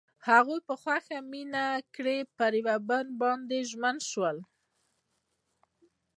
هغوی په خوښ مینه کې پر بل باندې ژمن شول.